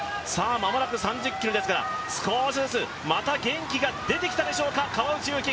間もなく３０ｋｍですから少しずつまた元気が出てきたでしょうか、川内優輝。